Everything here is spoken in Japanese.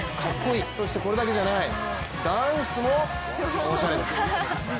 そしてこれだけじゃない、ダンスもおしゃれです。